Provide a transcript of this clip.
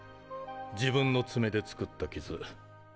自分の爪で作ったキズ。